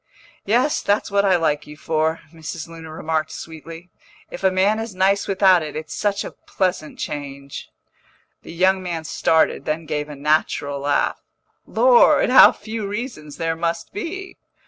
"Yes, that's what I like you for," Mrs. Luna remarked sweetly. "If a man is nice without it, it's such a pleasant change." The young man started, then gave a natural laugh. "Lord, how few reasons there must be!"